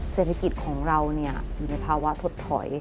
เศรษฐกิจของเราอยู่ในภาวะถดถอย